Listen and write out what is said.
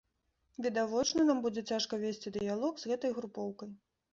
Відавочна, нам будзе цяжка весці дыялог з гэтай групоўкай.